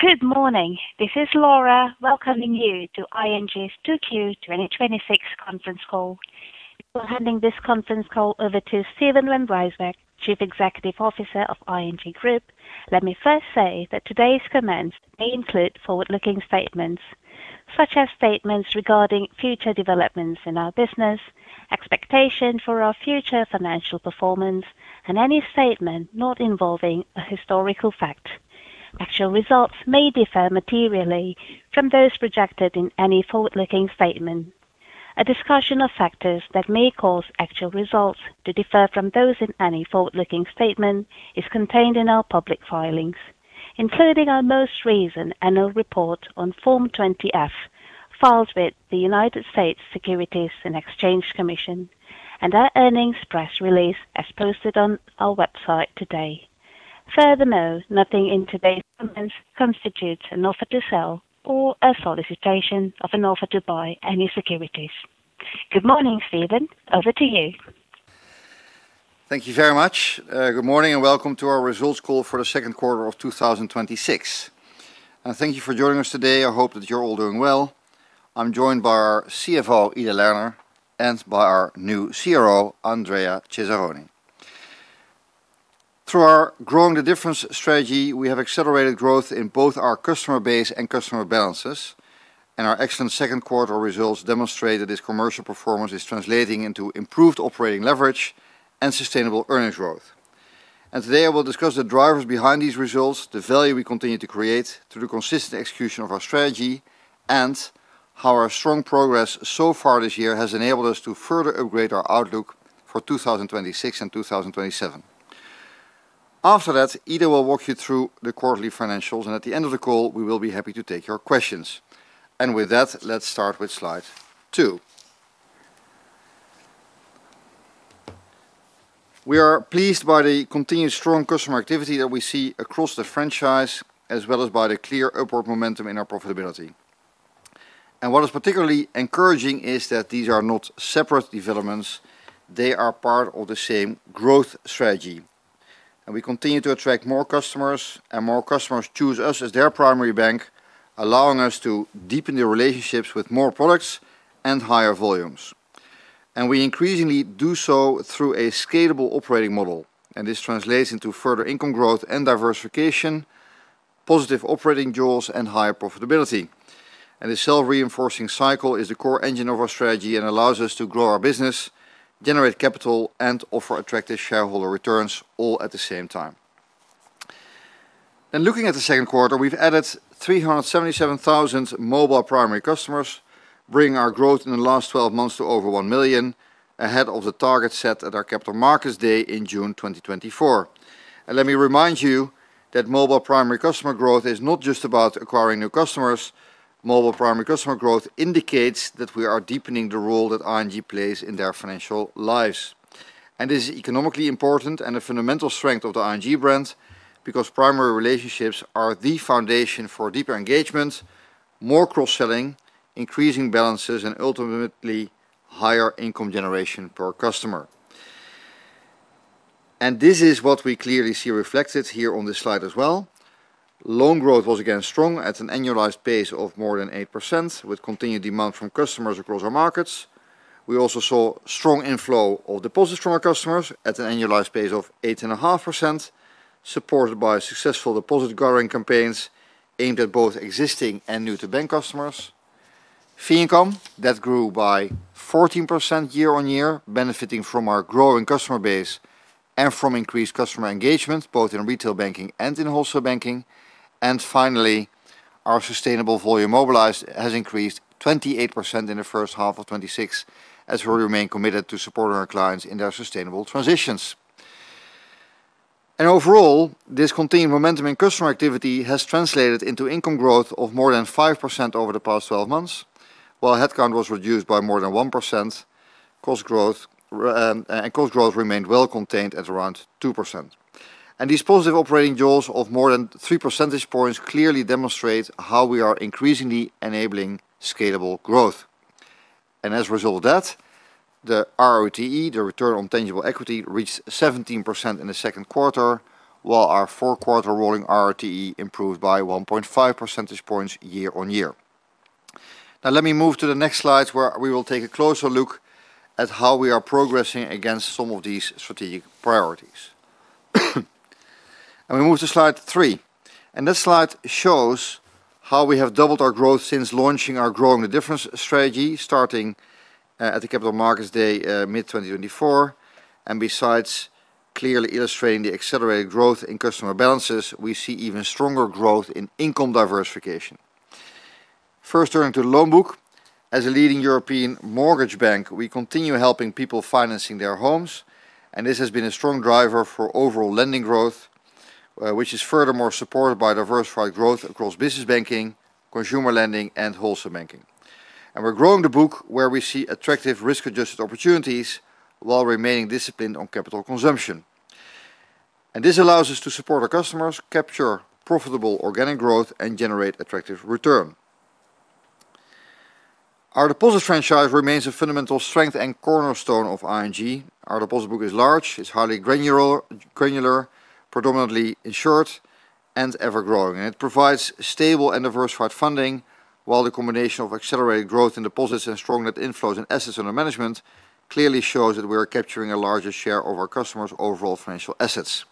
Good morning. This is Laura welcoming you to ING's Q2 2026 Conference Call. Before handing this conference call over to Steven van Rijswijk, Chief Executive Officer of ING Group, let me first say that today's comments may include forward-looking statements, such as statements regarding future developments in our business, expectation for our future financial performance, and any statement not involving a historical fact. Actual results may differ materially from those projected in any forward-looking statement. A discussion of factors that may cause actual results to differ from those in any forward-looking statement is contained in our public filings, including our most recent annual report on Form 20-F, filed with the U.S. Securities and Exchange Commission, and our earnings press release, as posted on our website today. Nothing in today's comments constitutes an offer to sell or a solicitation of an offer to buy any securities. Good morning, Steven. Over to you. Thank you very much. Good morning and welcome to our results call for the Q2 of 2026. Thank you for joining us today. I hope that you're all doing well. I'm joined by our CFO, Ida Lerner, and by our new CRO, Andrea Cesaroni. Through our Growing the Difference strategy, we have accelerated growth in both our customer base and customer balances. Our excellent Q2 results demonstrate that this commercial performance is translating into improved operating leverage and sustainable earnings growth. Today, I will discuss the drivers behind these results, the value we continue to create through the consistent execution of our strategy, and how our strong progress so far this year has enabled us to further upgrade our outlook for 2026 and 2027. After that, Ida will walk you through the quarterly financials. At the end of the call, we will be happy to take your questions. With that, let's start with slide two. We are pleased by the continued strong customer activity that we see across the franchise, as well as by the clear upward momentum in our profitability. What is particularly encouraging is that these are not separate developments, they are part of the same growth strategy. We continue to attract more customers. More customers choose us as their primary bank, allowing us to deepen the relationships with more products and higher volumes. We increasingly do so through a scalable operating model. This translates into further income growth and diversification, positive operating jaws, and higher profitability. This self-reinforcing cycle is the core engine of our strategy and allows us to grow our business, generate capital, and offer attractive shareholder returns all at the same time. In looking at the Q2, we've added 377,000 mobile primary customers, bringing our growth in the last 12 months to over one million, ahead of the target set at our Capital Markets Day in June 2024. Let me remind you that mobile primary customer growth is not just about acquiring new customers. Mobile primary customer growth indicates that we are deepening the role that ING plays in their financial lives. This is economically important and a fundamental strength of the ING brand, because primary relationships are the foundation for deeper engagement, more cross-selling, increasing balances, and ultimately higher income generation per customer. This is what we clearly see reflected here on this slide as well. Loan growth was again strong at an annualized pace of more than 8% with continued demand from customers across our markets. We also saw strong inflow of deposits from our customers at an annualized pace of 8.5%, supported by successful deposit gathering campaigns aimed at both existing and new-to-bank customers. Fee income, that grew by 14% year-on-year, benefiting from our growing customer base and from increased customer engagement, both in retail banking and in wholesale banking. Finally, our sustainable volume mobilized has increased 28% in the first half of 2026 as we remain committed to supporting our clients in their sustainable transitions. Overall, this continued momentum in customer activity has translated into income growth of more than 5% over the past 12 months, while headcount was reduced by more than 1%. Cost growth remained well contained at around 2%. These positive operating jaws of more than three percentage points clearly demonstrate how we are increasingly enabling scalable growth. As a result of that, the ROTE, the return on tangible equity, reached 17% in the Q2, while our four-quarter rolling ROTE improved by 1.5 percentage points year-on-year. Let me move to the next slide, where we will take a closer look at how we are progressing against some of these strategic priorities. We move to slide three, and this slide shows how we have doubled our growth since launching our Growing the Difference strategy, starting at the Capital Markets Day mid-2024. Besides clearly illustrating the accelerated growth in customer balances, we see even stronger growth in income diversification. First, turning to the loan book. As a leading European mortgage bank, we continue helping people financing their homes, and this has been a strong driver for overall lending growth, which is furthermore supported by diversified growth across business banking, consumer lending, and wholesale banking. We're growing the book where we see attractive risk-adjusted opportunities while remaining disciplined on capital consumption. This allows us to support our customers, capture profitable organic growth, and generate attractive return. Our deposit franchise remains a fundamental strength and cornerstone of ING. Our deposit book is large, it's highly granular, predominantly insured, and ever-growing. It provides stable and diversified funding, while the combination of accelerated growth in deposits and strong net inflows and assets under management clearly shows that we are capturing a larger share of our customers' overall financial assets.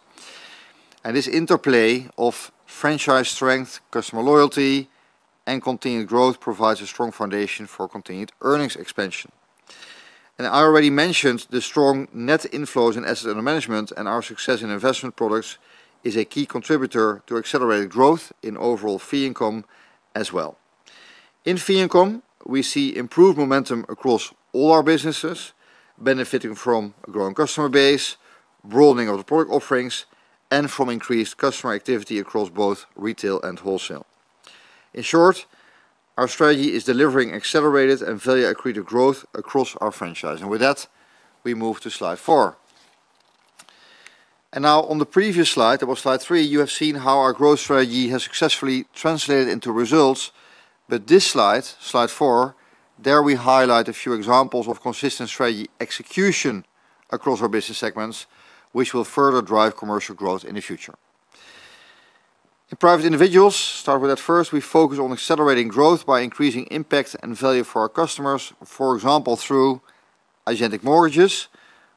This interplay of franchise strength, customer loyalty, and continued growth provides a strong foundation for continued earnings expansion. I already mentioned the strong net inflows and assets under management and our success in investment products is a key contributor to accelerated growth in overall fee income as well. In fee income, we see improved momentum across all our businesses, benefiting from a growing customer base, broadening of the product offerings, and from increased customer activity across both retail and wholesale. In short, our strategy is delivering accelerated and value-accretive growth across our franchise. With that, we move to slide four. Now on the previous slide, that was slide three, you have seen how our growth strategy has successfully translated into results. This slide four, there we highlight a few examples of consistent strategy execution across our business segments, which will further drive commercial growth in the future. In private individuals, start with that first, we focus on accelerating growth by increasing impact and value for our customers. For example, through Agentic Mortgages,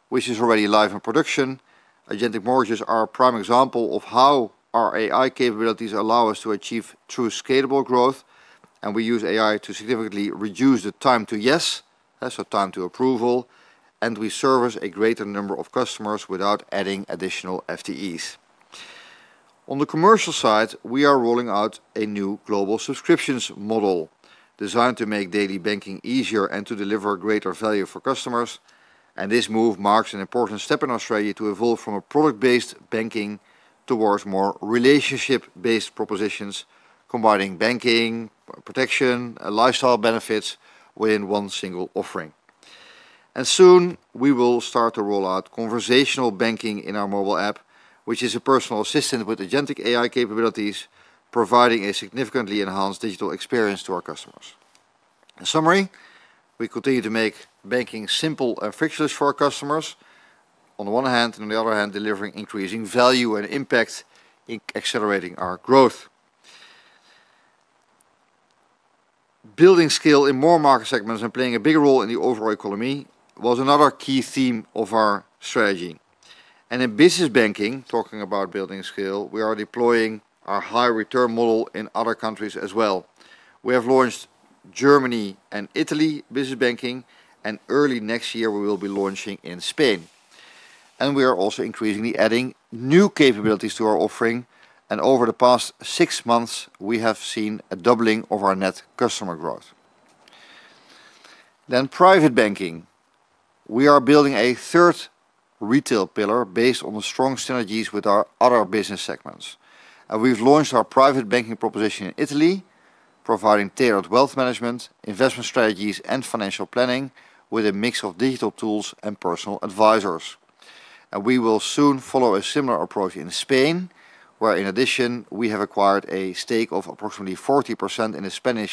which is already live in production. Agentic Mortgages are a prime example of how our AI capabilities allow us to achieve true scalable growth. We use AI to significantly reduce the time to yes, so time to approval, and we service a greater number of customers without adding additional FTEs. On the commercial side, we are rolling out a new global subscriptions model designed to make daily banking easier and to deliver greater value for customers. This move marks an important step in Australia to evolve from a product-based banking towards more relationship-based propositions, combining banking, protection, lifestyle benefits within one single offering. Soon we will start to roll out conversational banking in our mobile app, which is a personal assistant with Agentic AI capabilities, providing a significantly enhanced digital experience to our customers. In summary, we continue to make banking simple and frictionless for our customers on the one hand, on the other hand, delivering increasing value and impact in accelerating our growth. Building scale in more market segments and playing a bigger role in the overall economy was another key theme of our strategy. In business banking, talking about building scale, we are deploying our high return model in other countries as well. We have launched Germany and Italy business banking, early next year we will be launching in Spain. We are also increasingly adding new capabilities to our offering, and over the past six months, we have seen a doubling of our net customer growth. Private banking. We are building a third retail pillar based on the strong synergies with our other business segments. We've launched our private banking proposition in Italy, providing tailored wealth management, investment strategies, and financial planning with a mix of digital tools and personal advisors. We will soon follow a similar approach in Spain, where in addition, we have acquired a stake of approximately 40% in a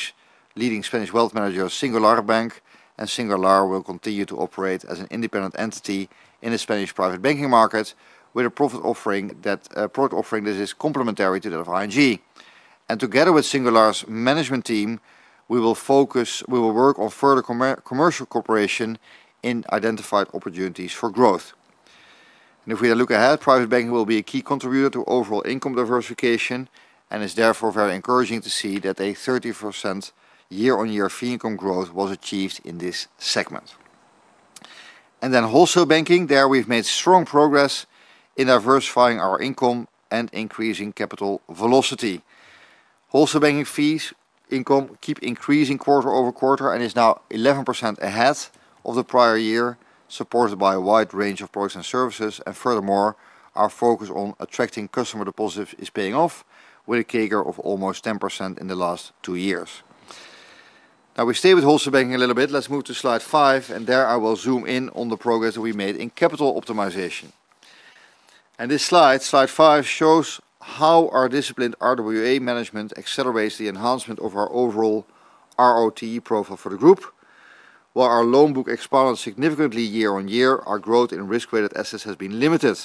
leading Spanish wealth manager, Singular Bank, and Singular will continue to operate as an independent entity in the Spanish private banking market with a product offering that is complementary to that of ING. Together with Singular's management team, we will work on further commercial cooperation in identified opportunities for growth. If we look ahead, private banking will be a key contributor to overall income diversification and is therefore very encouraging to see that a 30% year-on-year fee income growth was achieved in this segment. Wholesale banking. There we've made strong progress in diversifying our income and increasing capital velocity. Wholesale banking fees income keeps increasing quarter-over-quarter and is now 11% ahead of the prior year, supported by a wide range of products and services. Furthermore, our focus on attracting customer deposits is paying off with a CAGR of almost 10% in the last two years. We stay with wholesale banking a little bit. Let's move to slide five, and there I will zoom in on the progress we made in capital optimization. This slide five, shows how our disciplined RWA management accelerates the enhancement of our overall ROTE profile for the group. While our loan book expanded significantly year-on-year, our growth in risk-weighted assets has been limited.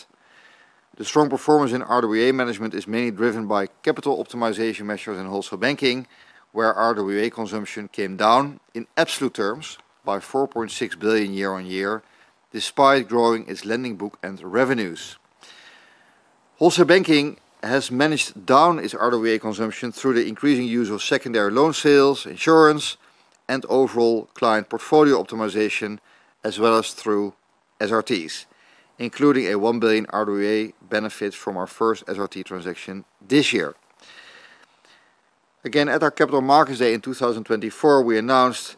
The strong performance in RWA management is mainly driven by capital optimization measures in wholesale banking, where RWA consumption came down in absolute terms by 4.6 billion year-on-year, despite growing its lending book and revenues. Wholesale banking has managed down its RWA consumption through the increasing use of secondary loan sales, insurance, and overall client portfolio optimization, as well as through SRTs, including a 1 billion RWA benefit from our first SRT transaction this year. Again, at our Capital Markets Day in 2024, we announced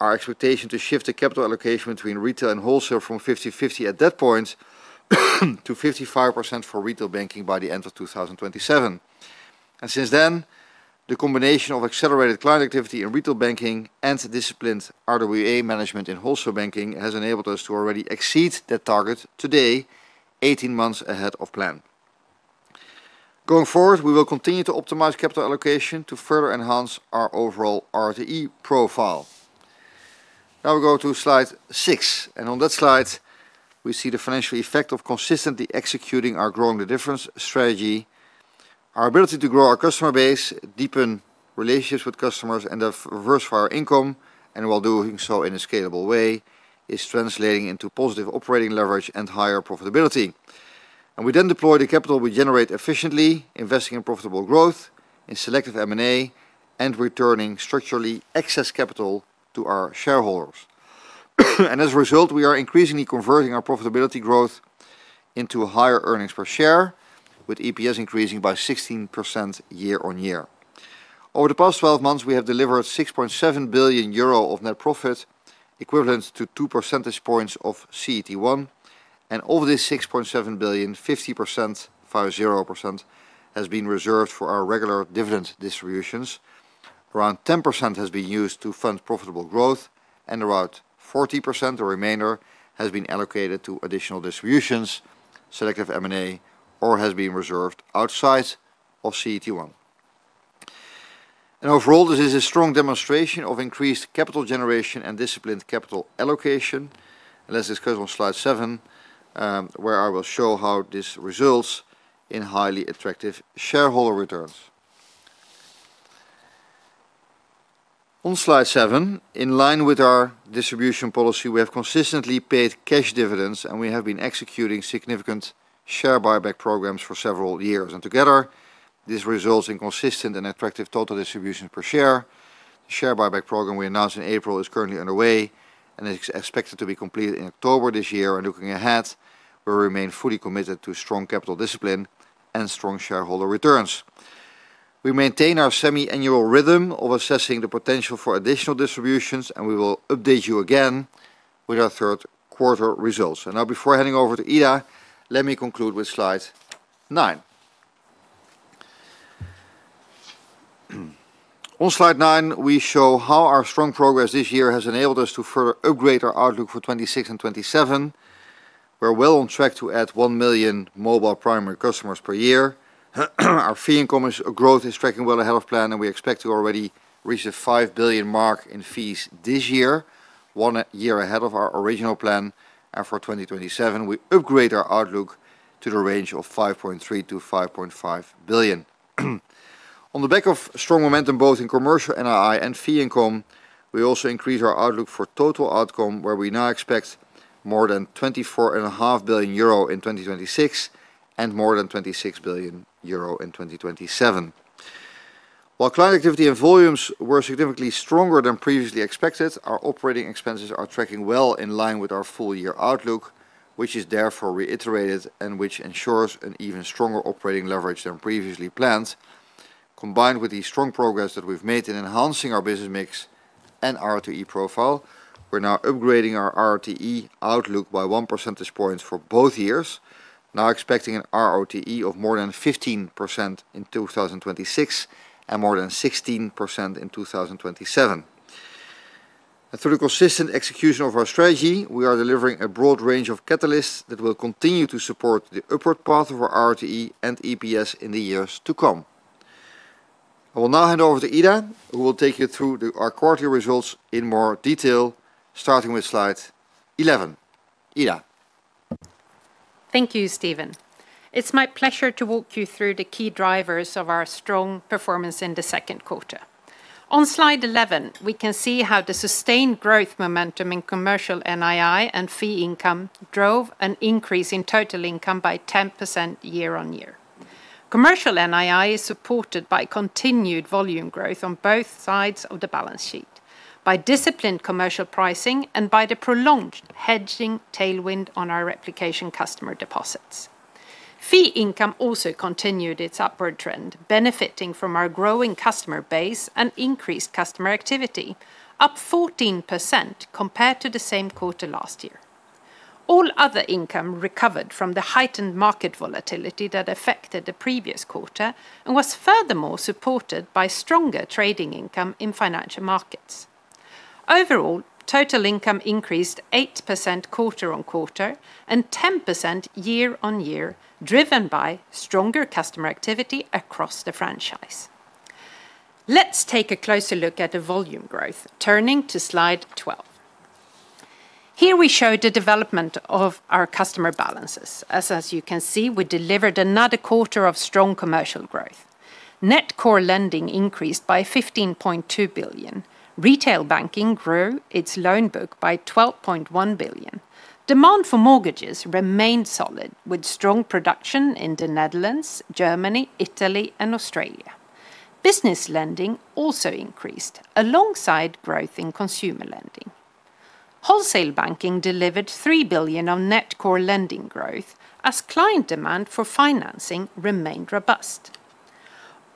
our expectation to shift the capital allocation between retail and wholesale from 50/50 at that point to 55% for retail banking by the end of 2027. Since then, the combination of accelerated client activity in retail banking and disciplined RWA management in wholesale banking has enabled us to already exceed that target today, 18 months ahead of plan. Going forward, we will continue to optimize capital allocation to further enhance our overall ROTE profile. We go to slide six, and on that slide, we see the financial effect of consistently executing our Growing the difference strategy, our ability to grow our customer base, deepen relationships with customers, and diversify our income, while doing so in a scalable way, is translating into positive operating leverage and higher profitability. We then deploy the capital we generate efficiently, investing in profitable growth, in selective M&A, and returning structurally excess capital to our shareholders. As a result, we are increasingly converting our profitability growth into higher earnings per share, with EPS increasing by 16% year-on-year. Over the past 12 months, we have delivered 6.7 billion euro of net profit, equivalent to two percentage points of CET1. Of this 6.7 billion, 50%, five zero percent, has been reserved for our regular dividend distributions. Around 10% has been used to fund profitable growth and around 40%, the remainder, has been allocated to additional distributions, selective M&A, or has been reserved outside of CET1. Overall, this is a strong demonstration of increased capital generation and disciplined capital allocation. As discussed on slide seven, where I will show how this results in highly attractive shareholder returns. On slide seven, in line with our distribution policy, we have consistently paid cash dividends. We have been executing significant share buyback programs for several years. Together, this results in consistent and attractive total distribution per share. The share buyback program we announced in April is currently underway and is expected to be completed in October this year. Looking ahead, we remain fully committed to strong capital discipline and strong shareholder returns. We maintain our semi-annual rhythm of assessing the potential for additional distributions. We will update you again with our Q3 results. Now before handing over to Ida, let me conclude with slide nine. On slide nine, we show how our strong progress this year has enabled us to further upgrade our outlook for 2026 and 2027. We're well on track to add one million mobile primary customers per year. Our fee income growth is tracking well ahead of plan. We expect to already reach the 5 billion mark in fees this year, one year ahead of our original plan. For 2027, we upgrade our outlook to the range of 5.3 billion-5.5 billion. On the back of strong momentum both in commercial NII and fee income, we also increase our outlook for total income, where we now expect more than 24.5 billion euro in 2026 and more than 26 billion euro in 2027. While client activity and volumes were significantly stronger than previously expected, our operating expenses are tracking well in line with our full year outlook, which is therefore reiterated and which ensures an even stronger operating jaws than previously planned. Combined with the strong progress that we've made in enhancing our business mix and ROTE profile, we're now upgrading our ROTE outlook by one percentage point for both years. Now expecting an ROTE of more than 15% in 2026 and more than 16% in 2027. Through the consistent execution of our strategy, we are delivering a broad range of catalysts that will continue to support the upward path of our ROTE and EPS in the years to come. I will now hand over to Ida, who will take you through our quarterly results in more detail, starting with slide 11. Ida. Thank you, Steven. It's my pleasure to walk you through the key drivers of our strong performance in the Q2. On slide 11, we can see how the sustained growth momentum in commercial NII and fee income drove an increase in total income by 10% year-on-year. Commercial NII is supported by continued volume growth on both sides of the balance sheet, by disciplined commercial pricing, and by the prolonged hedging tailwind on our replication customer deposits. Fee income also continued its upward trend, benefiting from our growing customer base and increased customer activity, up 14% compared to the same quarter last year. All other income recovered from the heightened market volatility that affected the previous quarter and was furthermore supported by stronger trading income in financial markets. Overall, total income increased 8% quarter-on-quarter and 10% year-on-year, driven by stronger customer activity across the franchise. Let's take a closer look at the volume growth, turning to slide 12. Here we show the development of our customer balances. As you can see, we delivered another quarter of strong commercial growth. Net core lending increased by 15.2 billion. Retail Banking grew its loan book by 12.1 billion. Demand for mortgages remained solid, with strong production in the Netherlands, Germany, Italy, and Australia. Business lending also increased alongside growth in consumer lending. Wholesale Banking delivered 3 billion on net core lending growth as client demand for financing remained robust.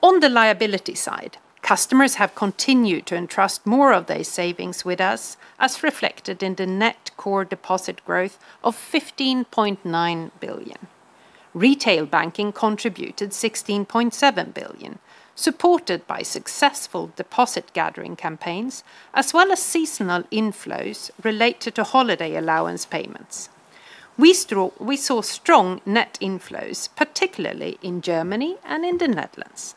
On the liability side, customers have continued to entrust more of their savings with us, as reflected in the net core deposit growth of 15.9 billion. Retail Banking contributed 16.7 billion. Supported by successful deposit gathering campaigns, as well as seasonal inflows related to holiday allowance payments. We saw strong net inflows, particularly in Germany and in the Netherlands.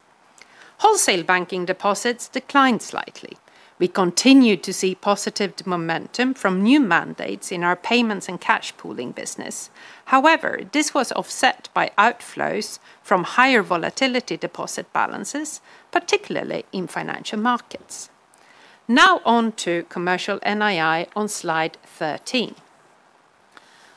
Wholesale Banking deposits declined slightly. We continued to see positive momentum from new mandates in our payments and cash pooling business. However, this was offset by outflows from higher volatility deposit balances, particularly in financial markets. Now on to commercial NII on slide 13.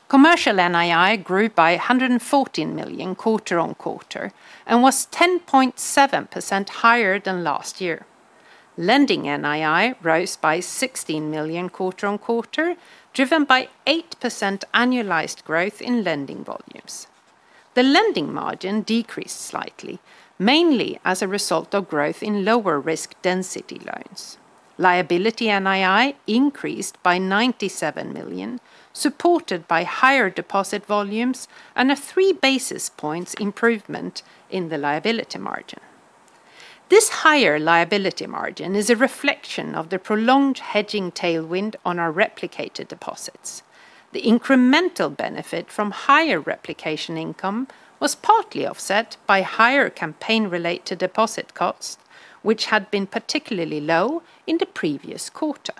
Commercial NII grew by 114 million quarter-on-quarter and was 10.7% higher than last year. Lending NII rose by 16 million quarter-on-quarter, driven by 8% annualized growth in lending volumes. The lending margin decreased slightly, mainly as a result of growth in lower risk density loans. Liability NII increased by 97 million, supported by higher deposit volumes and a three basis points improvement in the liability margin. This higher liability margin is a reflection of the prolonged hedging tailwind on our replicated deposits. The incremental benefit from higher replication income was partly offset by higher campaign-related deposit costs, which had been particularly low in the previous quarter.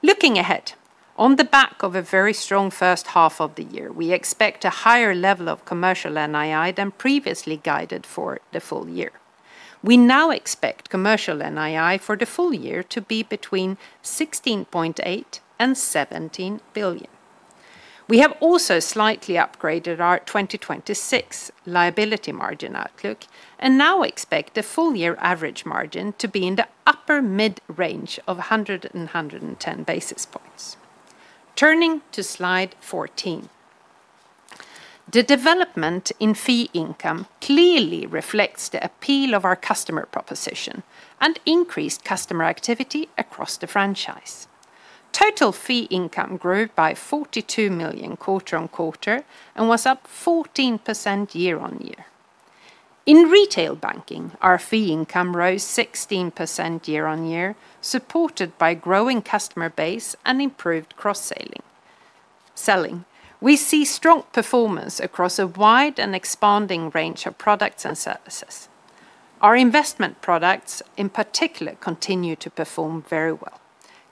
Looking ahead, on the back of a very strong first half of the year, we expect a higher level of commercial NII than previously guided for the full year. We now expect commercial NII for the full year to be between 16.8 billion and 17 billion. We have also slightly upgraded our 2026 liability margin outlook and now expect the full-year average margin to be in the upper mid-range of 100 and 110 basis points. Turning to slide 14. The development in fee income clearly reflects the appeal of our customer proposition and increased customer activity across the franchise. Total fee income grew by 42 million quarter-on-quarter and was up 14% year-on-year. In Retail Banking, our fee income rose 16% year-on-year, supported by a growing customer base and improved cross-selling. We see strong performance across a wide and expanding range of products and services. Our investment products, in particular, continue to perform very well.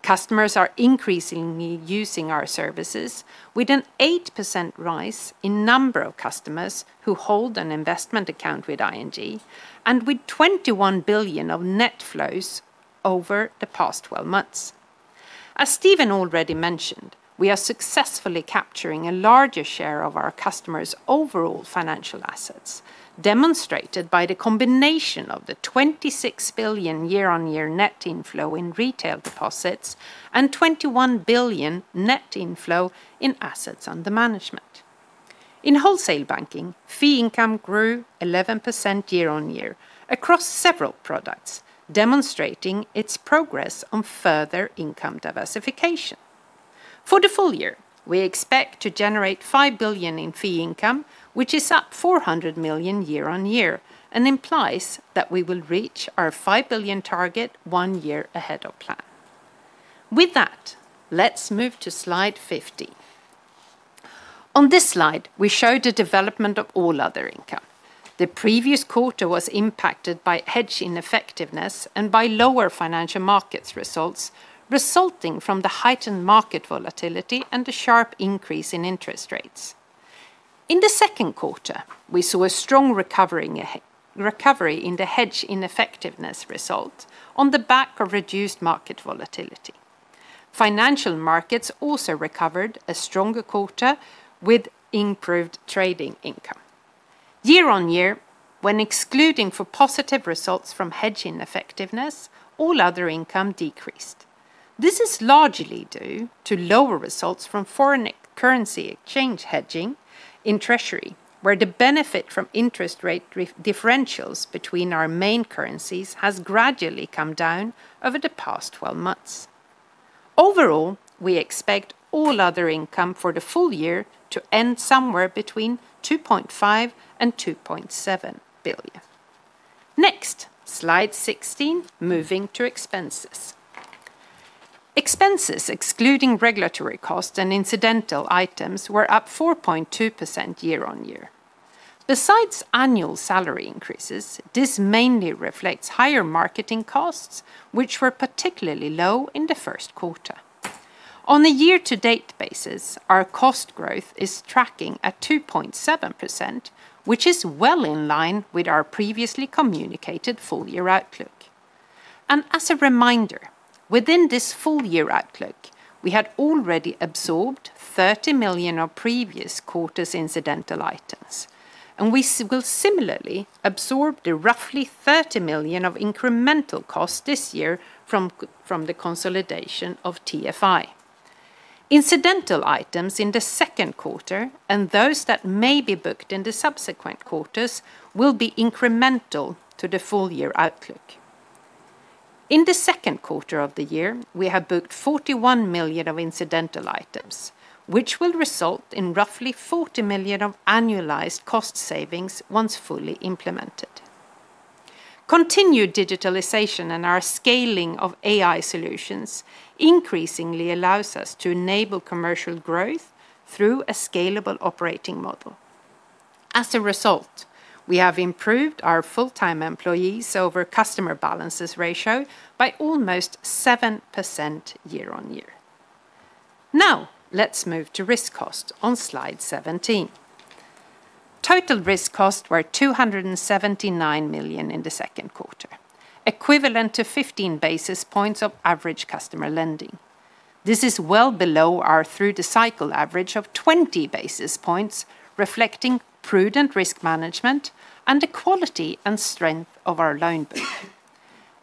Customers are increasingly using our services with an 8% rise in number of customers who hold an investment account with ING and with 21 billion of net flows over the past 12 months. As Steven already mentioned, we are successfully capturing a larger share of our customers' overall financial assets, demonstrated by the combination of the 26 billion year-on-year net inflow in retail deposits and 21 billion net inflow in assets under management. In wholesale banking, fee income grew 11% year-on-year across several products, demonstrating its progress on further income diversification. For the full year, we expect to generate 5 billion in fee income, which is up 400 million year-on-year and implies that we will reach our 5 billion target one year ahead of plan. With that, let's move to slide 15. On this slide, we show the development of all other income. The previous quarter was impacted by hedge ineffectiveness and by lower financial markets results resulting from the heightened market volatility and the sharp increase in interest rates. In the Q2, we saw a strong recovery in the hedge ineffectiveness result on the back of reduced market volatility. Financial markets also recovered a stronger quarter with improved trading income. Year-on-year, when excluding for positive results from hedge ineffectiveness, all other income decreased. This is largely due to lower results from foreign currency exchange hedging in treasury, where the benefit from interest rate differentials between our main currencies has gradually come down over the past 12 months. Overall, we expect all other income for the full year to end somewhere between 2.5 billion and 2.7 billion. Next, slide 16, moving to expenses. Expenses excluding regulatory costs and incidental items were up 4.2% year-on-year. Besides annual salary increases, this mainly reflects higher marketing costs, which were particularly low in the Q1. On a year-to-date basis, our cost growth is tracking at 2.7%, which is well in line with our previously communicated full-year outlook. As a reminder, within this full-year outlook, we had already absorbed 30 million of previous quarter's incidental items, and we will similarly absorb the roughly 30 million of incremental costs this year from the consolidation of TFI. Incidental items in the Q2 and those that may be booked in the subsequent quarters will be incremental to the full-year outlook. In the Q2 of the year, we have booked 41 million of incidental items, which will result in roughly 40 million of annualized cost savings once fully implemented. Continued digitalization and our scaling of AI solutions increasingly allows us to enable commercial growth through a scalable operating model. As a result, we have improved our full-time employees over customer balances ratio by almost 7% year-on-year. Now, let's move to risk cost on slide 17. Total risk costs were 279 million in the Q2, equivalent to 15 basis points of average customer lending. This is well below our through-the-cycle average of 20 basis points, reflecting prudent risk management and the quality and strength of our loan book.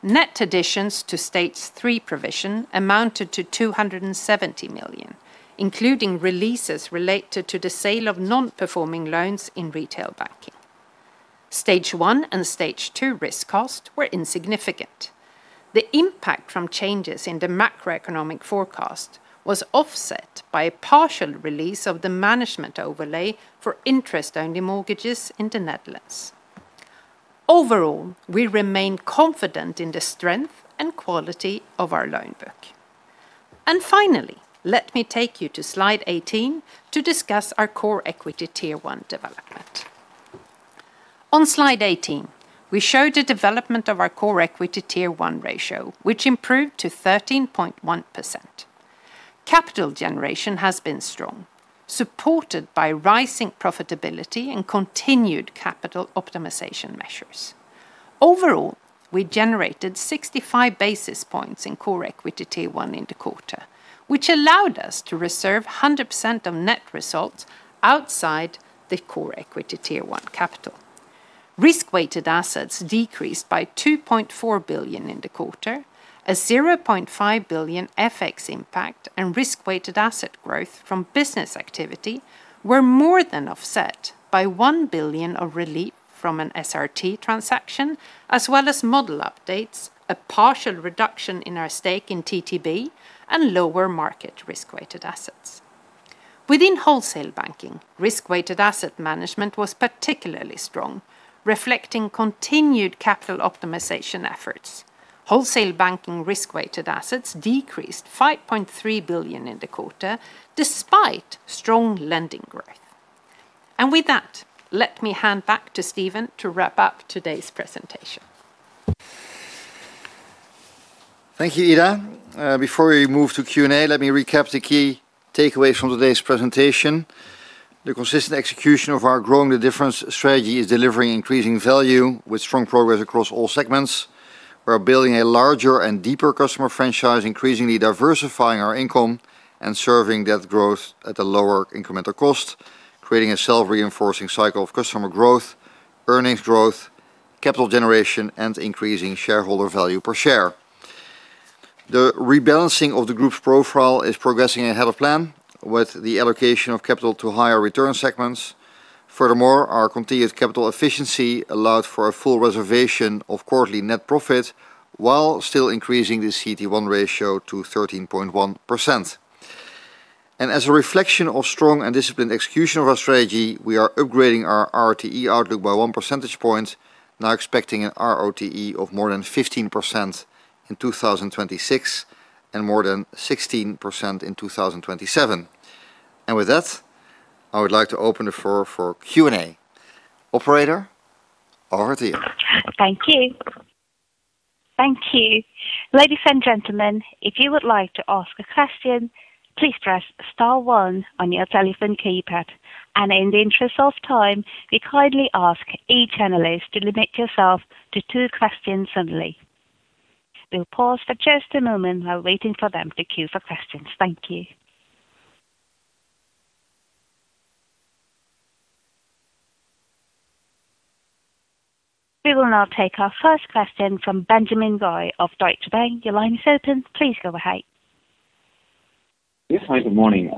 Net additions to Stage 3 provision amounted to 270 million, including releases related to the sale of non-performing loans in retail banking. Stage 1 and Stage 2 risk costs were insignificant. The impact from changes in the macroeconomic forecast was offset by a partial release of the management overlay for interest-only mortgages in the Netherlands. Overall, we remain confident in the strength and quality of our loan book. Finally, let me take you to slide 18 to discuss our core equity Tier 1 development. On slide 18, we show the development of our core equity Tier 1 ratio, which improved to 13.1%. Capital generation has been strong, supported by rising profitability and continued capital optimization measures. Overall, we generated 65 basis points in core equity Tier 1 in the quarter, which allowed us to reserve 100% of net results outside the core equity Tier 1 capital. Risk-weighted assets decreased by 2.4 billion in the quarter. A 0.5 billion FX impact and risk-weighted asset growth from business activity were more than offset by 1 billion of relief from an SRT transaction as well as model updates, a partial reduction in our stake in TTB, and lower market risk-weighted assets. Within wholesale banking, risk-weighted asset management was particularly strong, reflecting continued capital optimization efforts. Wholesale banking risk-weighted assets decreased 5.3 billion in the quarter despite strong lending growth. With that, let me hand back to Steven to wrap up today's presentation. Thank you, Ida. Before we move to Q&A, let me recap the key takeaways from today's presentation. The consistent execution of our Growing the Difference strategy is delivering increasing value with strong progress across all segments. We are building a larger and deeper customer franchise, increasingly diversifying our income and serving that growth at a lower incremental cost, creating a self-reinforcing cycle of customer growth, earnings growth, capital generation, and increasing shareholder value per share. The rebalancing of the group's profile is progressing ahead of plan with the allocation of capital to higher return segments. Furthermore, our continued capital efficiency allowed for a full reservation of quarterly net profit while still increasing the CET1 ratio to 13.1%. As a reflection of strong and disciplined execution of our strategy, we are upgrading our ROTE outlook by one percentage point, now expecting an ROTE of more than 15% in 2026 and more than 16% in 2027. With that, I would like to open the floor for Q&A. Operator, over to you. Thank you. Thank you. Ladies and gentlemen, if you would like to ask a question, please press star one on your telephone keypad. In the interest of time, we kindly ask each analyst to limit yourself to two questions only. We will pause for just a moment while waiting for them to queue for questions. Thank you. We will now take our first question from Benjamin Goy of Deutsche Bank. Your line is open. Please go ahead. Yes. Hi, good morning.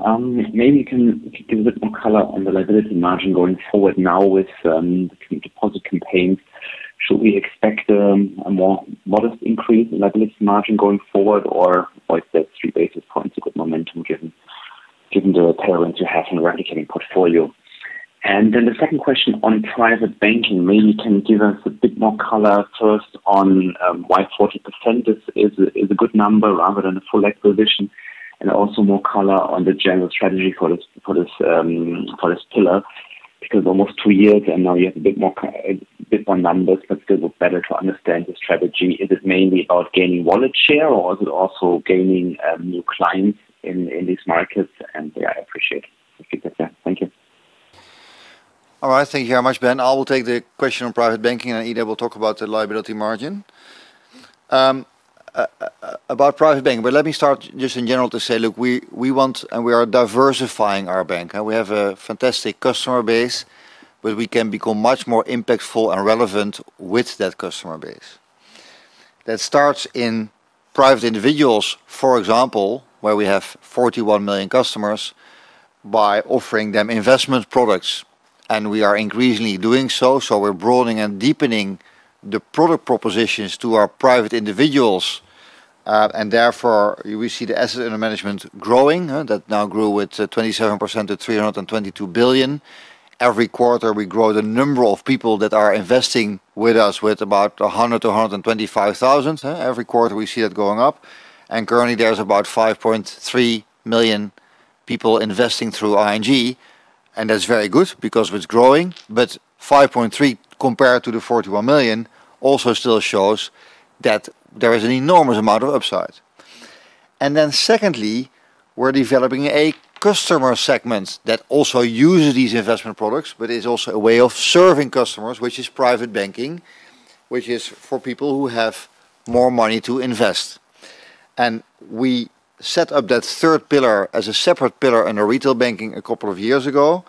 Maybe you can give a bit more color on the liability margin going forward now with deposit campaigns. Should we expect a more modest increase in liability margin going forward or by that three basis points a good momentum given the apparent you're having replicating portfolio? The second question on private banking, maybe you can give us a bit more color first on why 40% is a good number rather than a full acquisition, also more color on the general strategy for this pillar, because almost two years and now you have a bit more numbers, but still better to understand the strategy. Is it mainly about gaining wallet share or is it also gaining new clients in these markets? Yeah, I appreciate if you could share. Thank you. All right. Thank you very much, Ben. I will take the question on private banking and Ida will talk about the liability margin. About private banking, let me start just in general to say, look, we are diversifying our bank, and we have a fantastic customer base where we can become much more impactful and relevant with that customer base. That starts in private individuals, for example, where we have 41 million customers by offering them investment products. We are increasingly doing so. We're broadening and deepening the product propositions to our private individuals, and therefore we see the assets under management growing. That now grew with 27% to 322 billion. Every quarter, we grow the number of people that are investing with us with about 100,000-125,000. Every quarter, we see that going up. Currently, there's about 5.3 million people investing through ING, and that's very good because it's growing. 5.3 compared to the 41 million also still shows that there is an enormous amount of upside. Secondly, we're developing a customer segment that also uses these investment products, but is also a way of serving customers, which is private banking, which is for people who have more money to invest. We set up that third pillar as a separate pillar in our retail banking a couple of years ago.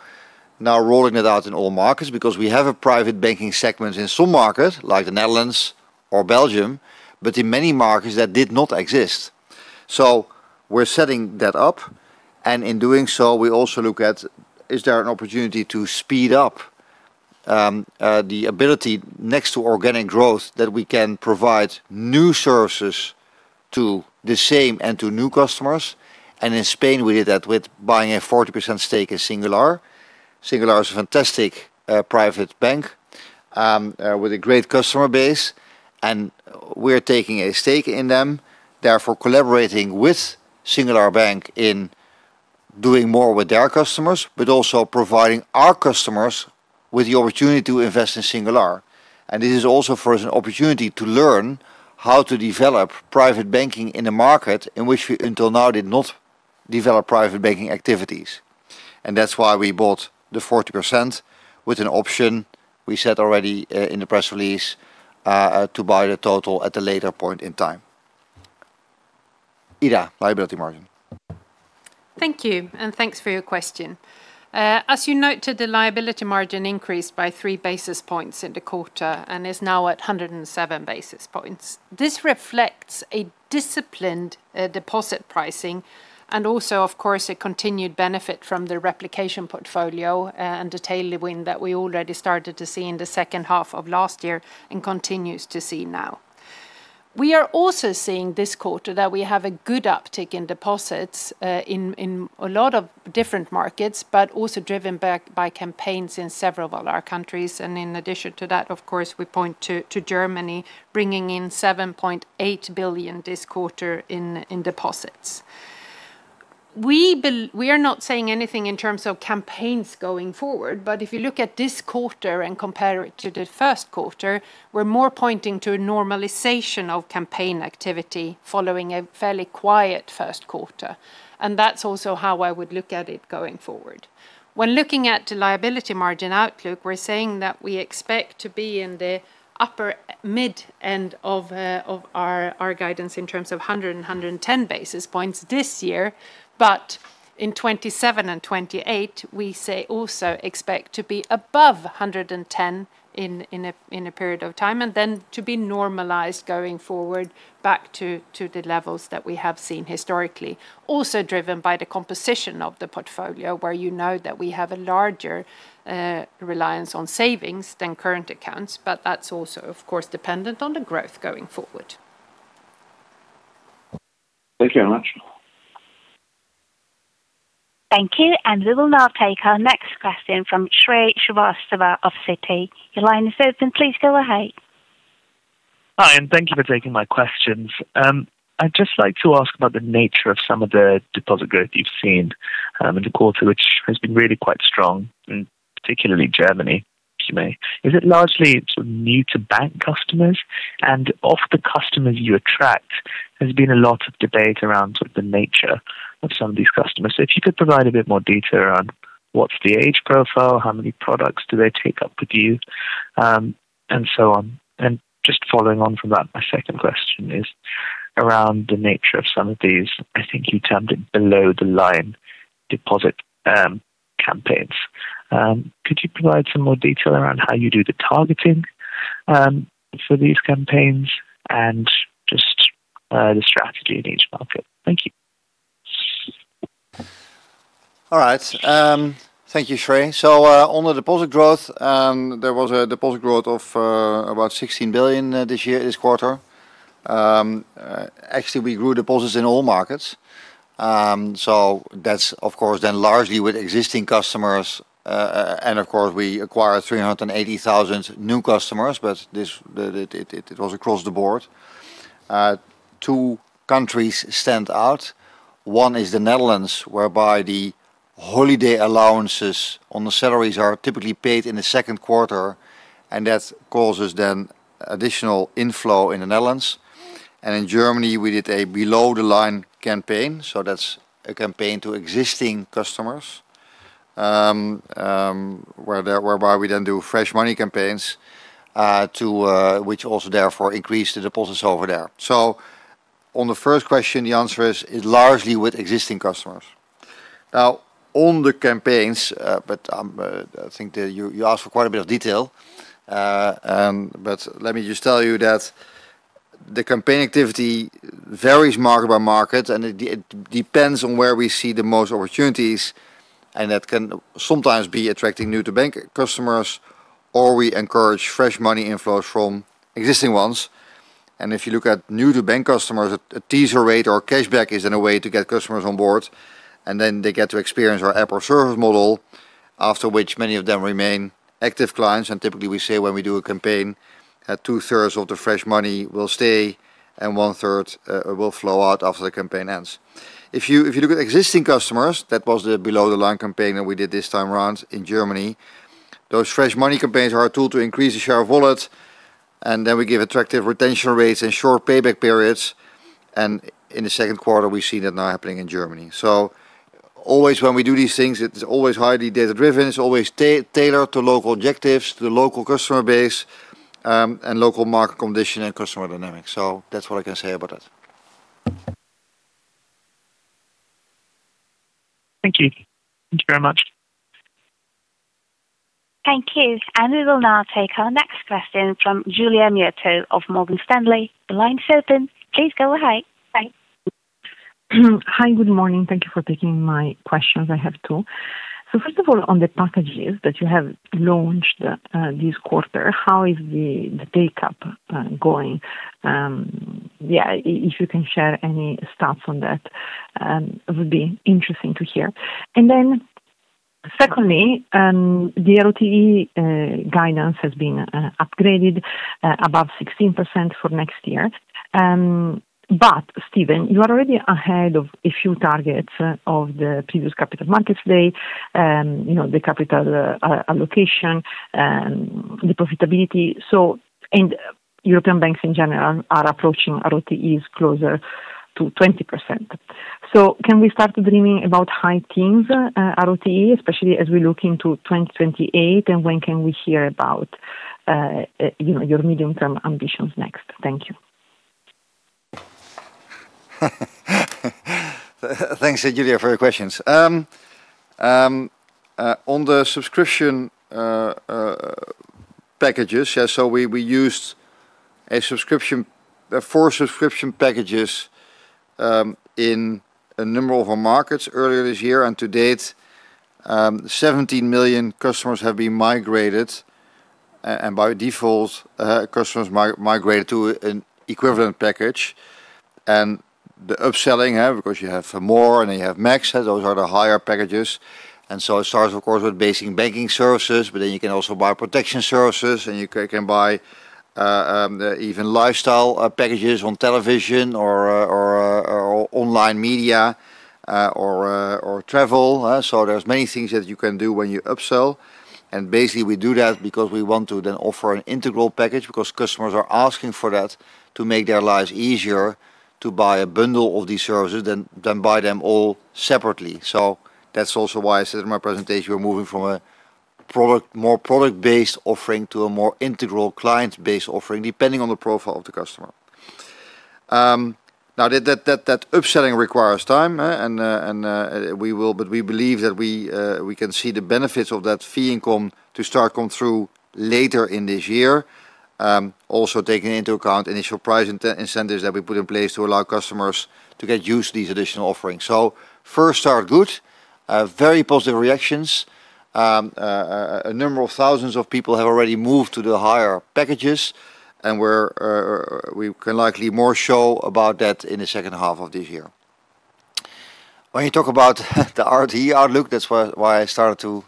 Now rolling it out in all markets because we have a private banking segment in some markets, like the Netherlands or Belgium, but in many markets that did not exist. We're setting that up, and in doing so, we also look at is there an opportunity to speed up the ability next to organic growth that we can provide new services to the same and to new customers? In Spain, we did that with buying a 40% stake in Singular. Singular is a fantastic private bank with a great customer base, and we're taking a stake in them, therefore collaborating with Singular Bank in doing more with their customers. Also providing our customers with the opportunity to invest in Singular. This is also, for us, an opportunity to learn how to develop private banking in a market in which we until now did not develop private banking activities. That's why we bought the 40% with an option we said already, in the press release, to buy the total at a later point in time. Ida, liability margin. Thank you, and thanks for your question. As you noted, the liability margin increased by three basis points in the quarter and is now at 107 basis points. This reflects a disciplined deposit pricing and also, of course, a continued benefit from the replicating portfolio and the tailwind that we already started to see in the second half of last year and continues to see now. We are also seeing this quarter that we have a good uptick in deposits, in a lot of different markets, but also driven back by campaigns in several of our countries. In addition to that, of course, we point to Germany bringing in 7.8 billion this quarter in deposits. We are not saying anything in terms of campaigns going forward, but if you look at this quarter and compare it to the Q1, we're more pointing to a normalization of campaign activity following a fairly quiet Q1, and that's also how I would look at it going forward. When looking at the liability margin outlook, we're saying that we expect to be in the upper mid end of our guidance in terms of 100 and 110 basis points this year. In 2027 and 2028, we say also expect to be above 110 in a period of time, and then to be normalized going forward back to the levels that we have seen historically. Also driven by the composition of the portfolio, where you know that we have a larger reliance on savings than current accounts, but that's also, of course, dependent on the growth going forward. Thank you very much. Thank you. We will now take our next question from Shrey Srivastava of Citi. Your line is open. Please go ahead. Hi, thank you for taking my questions. I'd just like to ask about the nature of some of the deposit growth you've seen in the quarter, which has been really quite strong in particularly Germany, if you may. Is it largely new-to-bank customers? Of the customers you attract, there's been a lot of debate around the nature of some of these customers. If you could provide a bit more detail around what's the age profile, how many products do they take up with you, and so on. Just following on from that, my second question is around the nature of some of these, I think you termed it below-the-line deposit campaigns. Could you provide some more detail around how you do the targeting for these campaigns and just the strategy in each market? Thank you. All right. Thank you, Shrey. On the deposit growth, there was a deposit growth of about 16 billion this year, this quarter. Actually, we grew deposits in all markets. That's of course then largely with existing customers. Of course, we acquired 380,000 new customers, but it was across the board. Two countries stand out. One is the Netherlands, whereby the holiday allowances on the salaries are typically paid in the Q2, and that causes then additional inflow in the Netherlands. In Germany, we did a below-the-line campaign, so that's a campaign to existing customers, whereby we then do fresh money campaigns, which also therefore increased the deposits over there. On the first question, the answer is, it's largely with existing customers. Now on the campaigns, I think that you asked for quite a bit of detail. Let me just tell you that the campaign activity varies market by market, and it depends on where we see the most opportunities, and that can sometimes be attracting new-to-bank customers, or we encourage fresh money inflows from existing ones. If you look at new-to-bank customers, a teaser rate or cashback is then a way to get customers on board. Then they get to experience our app or service model, after which many of them remain active clients. Typically, we say when we do a campaign, two-thirds of the fresh money will stay and one-third will flow out after the campaign ends. If you look at existing customers, that was the below-the-line campaign that we did this time around in Germany. Those fresh money campaigns are a tool to increase the share of wallet, and then we give attractive retention rates and short payback periods. In the Q2, we see that now happening in Germany. Always when we do these things, it is always highly data-driven. It is always tailored to local objectives, to the local customer base, and local market condition and customer dynamics. That is what I can say about that. Thank you. Thank you very much. Thank you. We will now take our next question from Giulia Miotto of Morgan Stanley. The line is open. Please go ahead. Thank you. Hi. Good morning. Thank you for taking my questions. I have two. First of all, on the packages that you have launched this quarter, how is the take-up going? If you can share any stats on that, would be interesting to hear. Then secondly, the ROTE guidance has been upgraded above 16% for next year. But Steven, you are already ahead of a few targets of the previous Capital Markets Day, the capital allocation, the profitability. European banks in general are approaching ROTEs closer to 20%. Can we start dreaming about high teens ROTE, especially as we look into 2028? When can we hear about your medium-term ambitions next? Thank you. Thanks, Giulia, for your questions. On the subscription packages, we used four subscription packages in a number of our markets earlier this year. To date, 17 million customers have been migrated. By default, customers migrated to an equivalent package. The upselling, because you have ING More and you have ING Max, those are the higher packages. It starts, of course, with basic banking services, but then you can also buy protection services, and you can buy even lifestyle packages on television or online media, or travel. There's many things that you can do when you upsell. Basically we do that because we want to then offer an integral package, because customers are asking for that to make their lives easier to buy a bundle of these services than buy them all separately. That's also why I said in my presentation, we're moving from a more product-based offering to a more integral client-based offering, depending on the profile of the customer. Now, that upselling requires time. We believe that we can see the benefits of that fee income to start come through later in this year. Also taking into account initial price incentives that we put in place to allow customers to get used to these additional offerings. First start, good. Very positive reactions. A number of thousands of people have already moved to the higher packages, and we can likely more show about that in the second half of this year. When you talk about the ROTE outlook, that's why I started to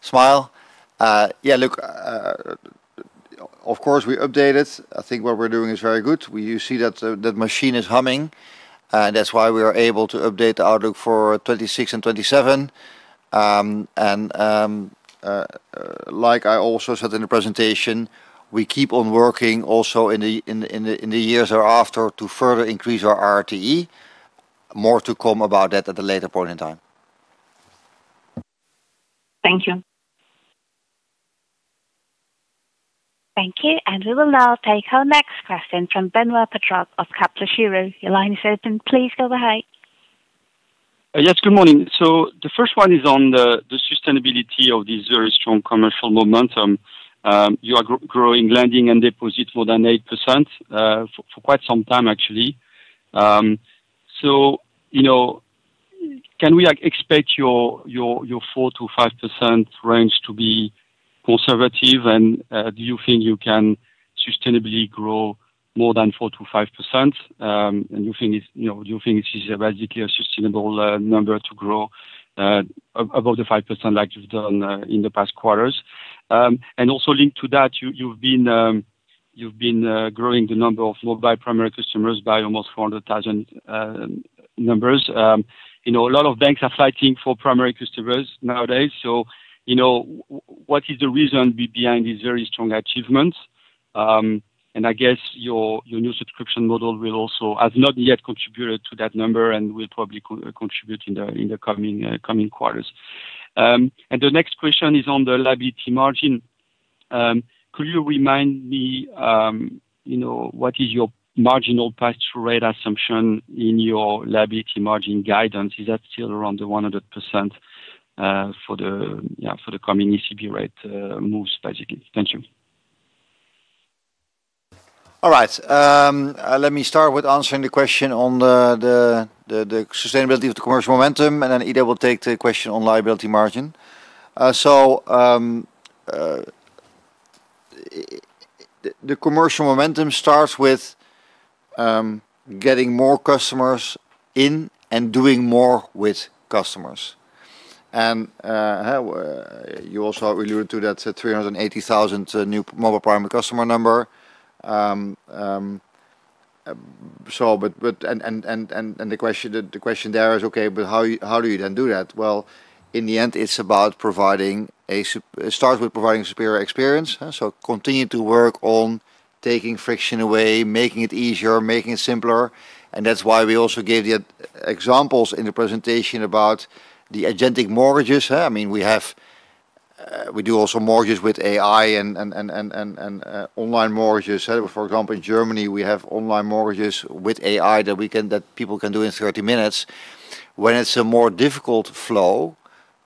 smile. Yeah, look, of course we updated. I think what we're doing is very good. You see that the machine is humming, and that's why we are able to update the outlook for 2026 and 2027. Like I also said in the presentation, we keep on working also in the years thereafter to further increase our ROTE. More to come about that at a later point in time. Thank you. Thank you. We will now take our next question from Benoit Petrarque of Kepler Cheuvreux. Your line is open. Please go ahead. Yes, good morning. The first one is on the sustainability of this very strong commercial momentum. You are growing lending and deposits more than 8% for quite some time, actually. Can we expect your 4%-5% range to be conservative? Do you think you can sustainably grow more than 4%-5%? Do you think it is basically a sustainable number to grow above the 5% like you've done in the past quarters? Also linked to that, you've been growing the number of mobile primary customers by almost 400,000 numbers. A lot of banks are fighting for primary customers nowadays. What is the reason behind these very strong achievements? I guess your new subscription model has not yet contributed to that number and will probably contribute in the coming quarters. The next question is on the liability margin. Could you remind me what is your marginal price rate assumption in your liability margin guidance? Is that still around the 100% for the coming ECB rate moves, basically. Thank you. All right. Let me start with answering the question on the sustainability of the commercial momentum, then Ida will take the question on liability margin. The commercial momentum starts with getting more customers in and doing more with customers. You also alluded to that 380,000 new mobile primary customer number. The question there is, okay, but how do you then do that? Well, in the end, it starts with providing superior experience. Continue to work on taking friction away, making it easier, making it simpler. That's why we also gave the examples in the presentation about the Agentic Mortgages. We do also mortgages with AI and online mortgages. For example, in Germany, we have online mortgages with AI that people can do in 30 minutes. When it's a more difficult flow,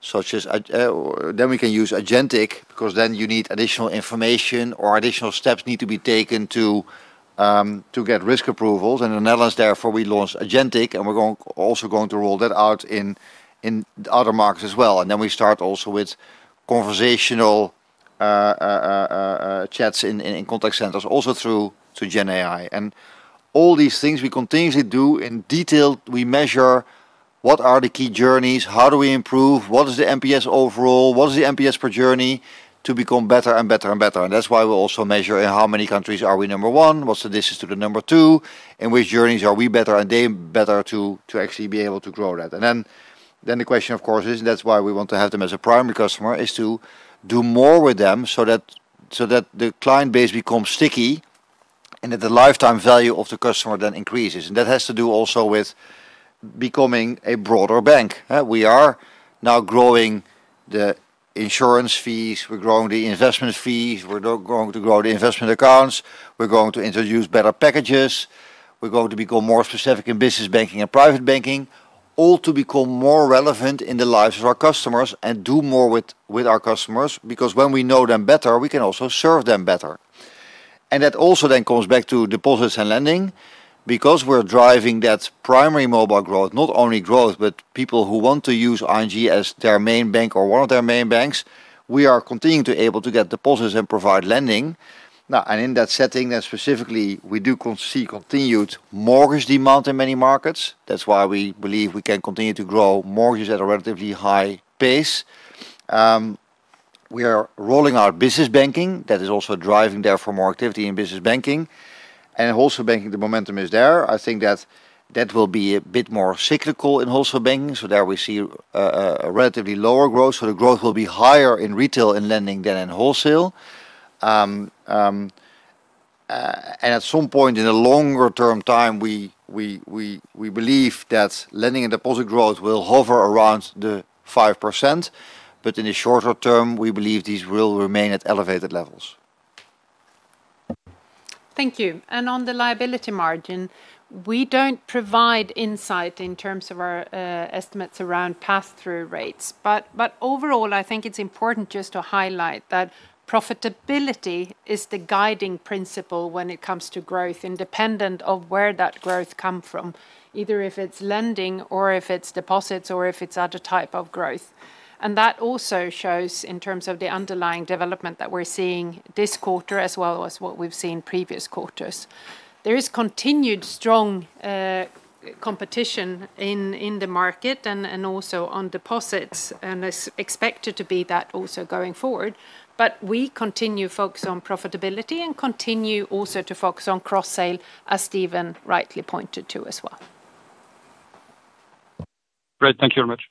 then we can use Agentic, because then you need additional information or additional steps need to be taken to get risk approvals. In the Netherlands, therefore, we launched Agentic, and we're also going to roll that out in other markets as well. We start also with conversational chats in contact centers, also through GenAI. All these things we continuously do in detail, we measure what are the key journeys, how do we improve, what is the NPS overall, what is the NPS per journey to become better and better. That's why we also measure in how many countries are we number one, what's the distance to the number two, in which journeys are we better, and then better to actually be able to grow that. The question, of course, is, that's why we want to have them as a primary customer, is to do more with them so that the client base becomes sticky and that the lifetime value of the customer then increases. That has to do also with becoming a broader bank. We are now growing the insurance fees, we're growing the investment fees, we're going to grow the investment accounts. We're going to introduce better packages. We're going to become more specific in business banking and private banking, all to become more relevant in the lives of our customers and do more with our customers, because when we know them better, we can also serve them better. That also then comes back to deposits and lending, because we're driving that primary mobile growth, not only growth, but people who want to use ING as their main bank or one of their main banks. We are continuing to be able to get deposits and provide lending. Now, in that setting, specifically, we do see continued mortgage demand in many markets. That's why we believe we can continue to grow mortgages at a relatively high pace. We are rolling out business banking. That is also driving, therefore, more activity in business banking. Wholesale banking, the momentum is there. I think that that will be a bit more cyclical in wholesale banking. There we see a relatively lower growth. The growth will be higher in retail and lending than in wholesale. At some point in the longer-term time, we believe that lending and deposit growth will hover around the 5%, but in the shorter term, we believe these will remain at elevated levels. Thank you. On the liability margin, we don't provide insight in terms of our estimates around pass-through rates. Overall, I think it's important just to highlight that profitability is the guiding principle when it comes to growth, independent of where that growth comes from, either if it's lending or if it's deposits or if it's other type of growth. That also shows in terms of the underlying development that we're seeing this quarter, as well as what we've seen previous quarters. There is continued strong competition in the market and also on deposits, and is expected to be that also going forward. We continue to focus on profitability and continue also to focus on cross-sale, as Steven rightly pointed to as well. Great. Thank you very much.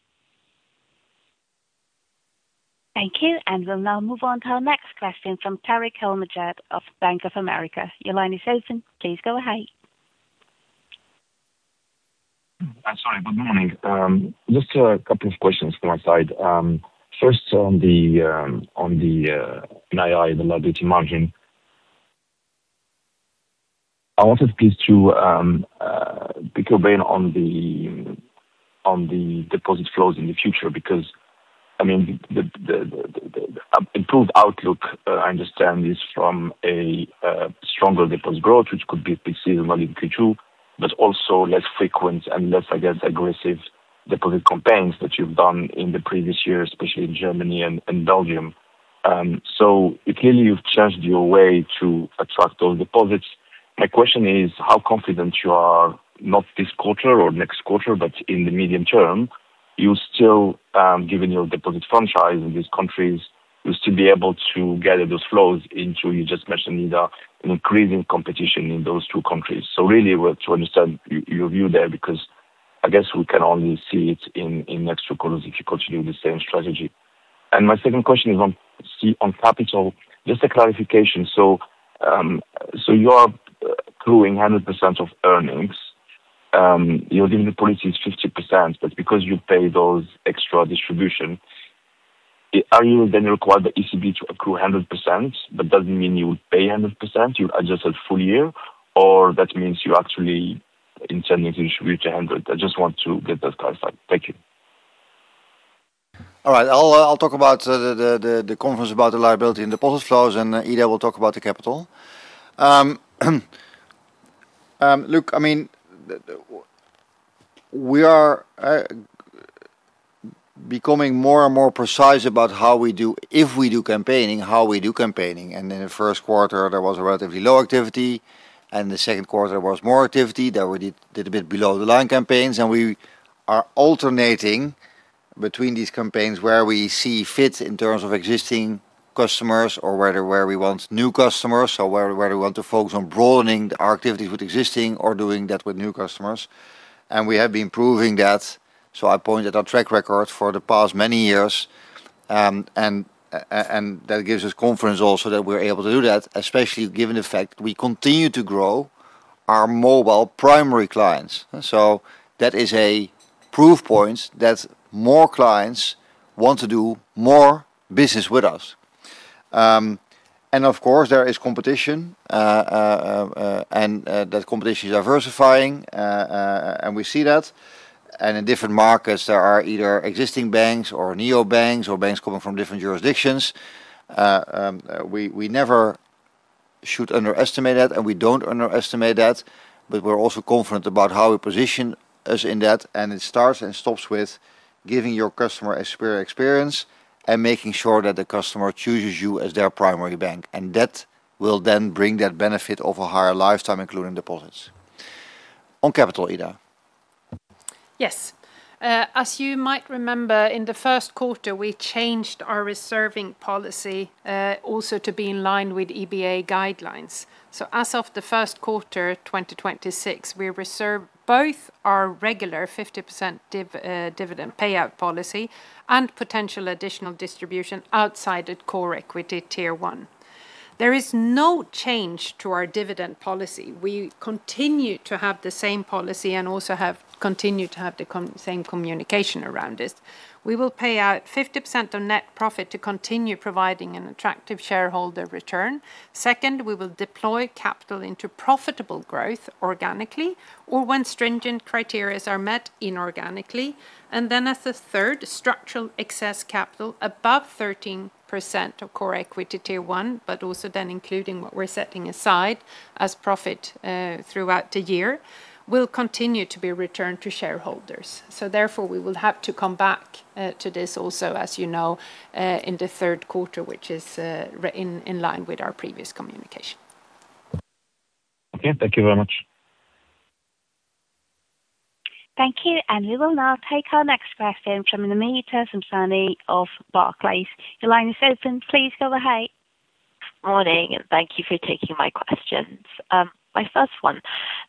Thank you. We'll now move on to our next question from Tarik El Mejjad of Bank of America. Your line is open. Please go ahead. Sorry. Good morning. Just a couple of questions from my side. First, on the NII, the liability margin. I wanted, please, to pick your brain on the deposit flows in the future, because the improved outlook, I understand, is from a stronger deposit growth, which could be perceived well in Q2, but also less frequent and less, I guess, aggressive deposit campaigns that you've done in the previous years, especially in Germany and Belgium. Clearly, you've changed your way to attract those deposits. My question is how confident you are, not this quarter or next quarter, but in the medium term, given your deposit franchise in these countries, will still be able to gather those flows into, you just mentioned, Ida, an increasing competition in those two countries. Really want to understand your view there, because I guess we can only see it in next two quarters if you continue the same strategy. My second question is on capital. Just a clarification. You are growing 100% of earnings. Your dividend policy is 50%, but because you pay those extra distribution, are you then required the ECB to accrue 100%? That doesn't mean you would pay 100%, you adjust at full year, or that means you're actually intending to distribute 100%? I just want to get that clarified. Thank you. All right. I'll talk about the confidence about the liability and deposit flows, and Ida will talk about the capital. Look, we are becoming more and more precise about how we do, if we do campaigning, how we do campaigning. In the Q1, there was a relatively low activity, and the Q2 was more activity. We did a bit below-the-line campaigns, and we are alternating between these campaigns where we see fit in terms of existing customers or whether where we want new customers or where we want to focus on broadening our activities with existing or doing that with new customers. We have been proving that. I pointed at our track record for the past many years, and that gives us confidence also that we're able to do that, especially given the fact we continue to grow our mobile primary clients. That is a proof point that more clients want to do more business with us. Of course, there is competition, and that competition is diversifying, and we see that. In different markets, there are either existing banks or neo banks or banks coming from different jurisdictions. We never should underestimate that, and we don't underestimate that, but we're also confident about how we position us in that, and it starts and stops with giving your customer a superior experience and making sure that the customer chooses you as their primary bank. That will then bring that benefit of a higher lifetime, including deposits. On capital, Ida. Yes. As you might remember, in the Q1, we changed our reserving policy also to be in line with EBA guidelines. As of the Q1 2026, we reserved both our regular 50% dividend payout policy and potential additional distribution outside at core equity Tier 1. There is no change to our dividend policy. We continue to have the same policy and also have continued to have the same communication around this. We will pay out 50% of net profit to continue providing an attractive shareholder return. Second, we will deploy capital into profitable growth organically or when stringent criterias are met inorganically. As the third, structural excess capital above 13% of core equity Tier 1, but also then including what we're setting aside as profit throughout the year, will continue to be returned to shareholders. Therefore, we will have to come back to this also, as you know, in the Q3, which is in line with our previous communication. Okay. Thank you very much. Thank you. We will now take our next question from Namita Samtani of Barclays. Your line is open. Please go ahead. Morning. Thank you for taking my questions. My first one,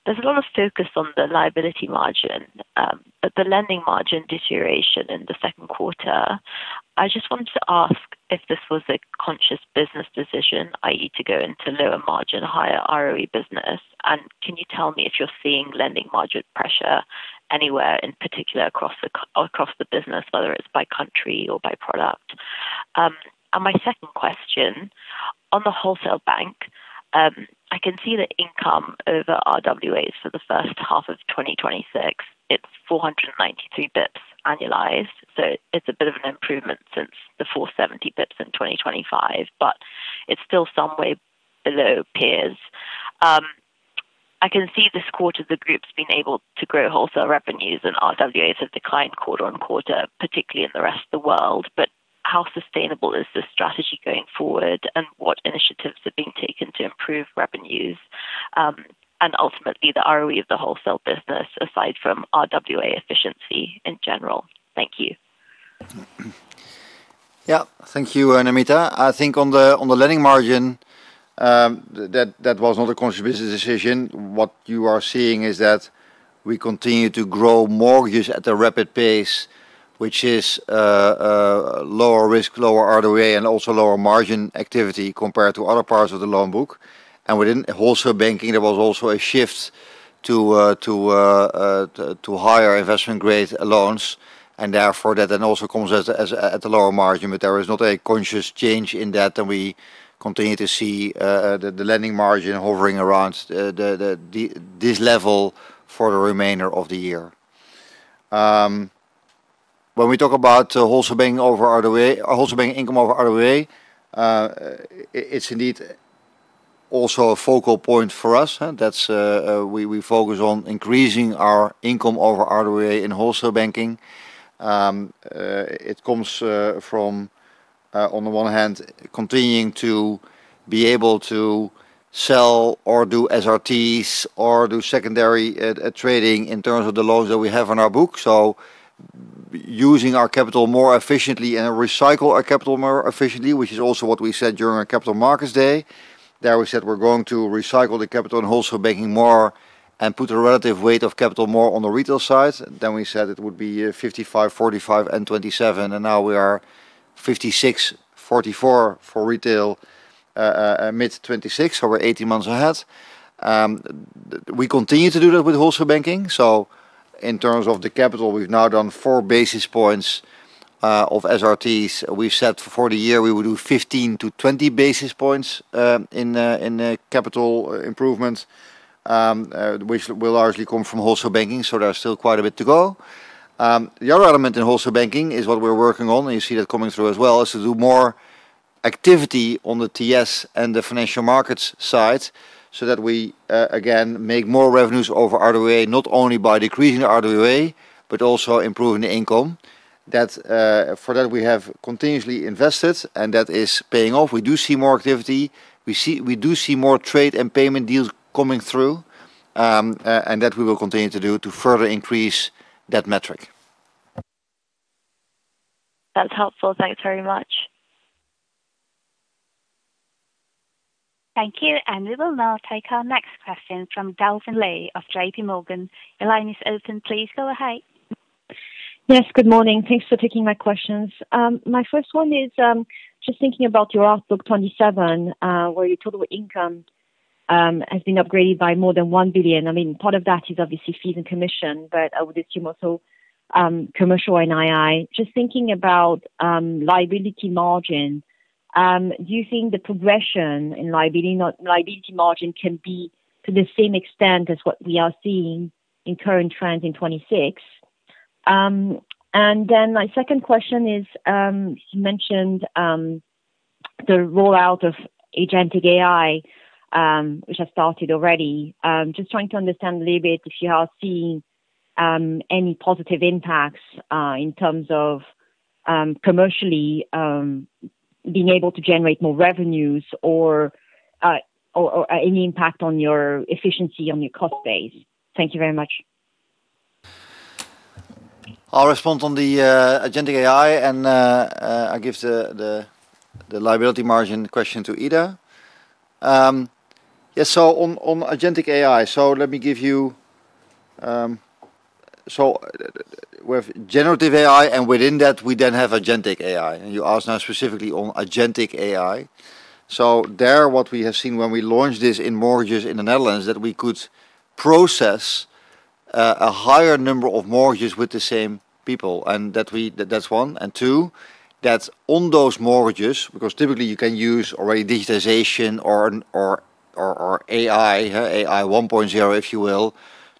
there's a lot of focus on the liability margin, but the lending margin deterioration in the Q2, I just wanted to ask if this was a conscious business decision, i.e., to go into lower margin, higher ROTE business. Can you tell me if you're seeing lending margin pressure anywhere in particular across the business, whether it's by country or by product? My second question, on the wholesale bank, I can see the income over RWAs for the first half of 2026. It's 493 basis points annualized, so it's a bit of an improvement since the 470 basis points in 2025, but it's still some way below peers. I can see this quarter the group's been able to grow wholesale revenues, and RWAs have declined quarter-on-quarter, particularly in the rest of the world. How sustainable is this strategy going forward, and what initiatives are being taken to improve revenues, and ultimately the RWA of the wholesale business, aside from RWA efficiency in general? Thank you. Yeah. Thank you, Namita. I think on the lending margin, that was not a conscious business decision. What you are seeing is that we continue to grow mortgage at a rapid pace, which is lower risk, lower RWA, and also lower margin activity compared to other parts of the loan book. Within Wholesale Banking, there was also a shift to higher investment-grade loans, and therefore that then also comes at a lower margin. There is not a conscious change in that, and we continue to see the lending margin hovering around this level for the remainder of the year. When we talk about Wholesale Banking income over RWA, it's indeed also a focal point for us. We focus on increasing our income over RWA in Wholesale Banking. It comes from, on the one hand, continuing to be able to sell or do SRTs or do secondary trading in terms of the loans that we have on our book. Using our capital more efficiently and recycle our capital more efficiently, which is also what we said during our Capital Markets Day. There we said we're going to recycle the capital in Wholesale Banking more and put a relative weight of capital more on the retail side. We said it would be 55, 45, and 27, and now we are 56, 44 for retail, mid-2026. We're 18 months ahead. We continue to do that with Wholesale Banking. In terms of the capital, we've now done four basis points of SRTs. We've said for the year we will do 15-20 basis points in capital improvements, which will largely come from Wholesale Banking, so there's still quite a bit to go. The other element in Wholesale Banking is what we're working on, and you see that coming through as well, is to do more activity on the TS and the financial markets side so that we, again, make more revenues over RWA, not only by decreasing RWA, but also improving the income. For that, we have continuously invested, and that is paying off. We do see more activity. We do see more trade and payment deals coming through, and that we will continue to do to further increase that metric. That's helpful. Thanks very much. Thank you. We will now take our next question from Delphine Lee of J.P. Morgan. Your line is open, please go ahead. Yes, good morning. Thanks for taking my questions. My first one is just thinking about your outlook 2027, where your total income has been upgraded by more than 1 billion. Part of that is obviously fees and commission, but I would assume also commercial NII. Just thinking about liability margin, do you think the progression in liability margin can be to the same extent as what we are seeing in current trends in 2026? My second question is, you mentioned the rollout of agentic AI, which has started already. Just trying to understand a little if you are seeing any positive impacts in terms of commercially being able to generate more revenues or any impact on your efficiency on your cost base. Thank you very much. I'll respond on the agentic AI, and I give the liability margin question to Ida. On agentic AI. We have generative AI, and within that, we then have agentic AI. You asked now specifically on agentic AI. There, what we have seen when we launched this in mortgages in the Netherlands, that we could process a higher number of mortgages with the same people, and that's one. Two, that on those mortgages, because typically you can use already digitization or AI 1.0, if you will,